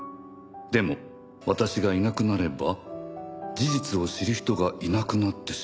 「でも私がいなくなれば事実を知る人がいなくなってしまう」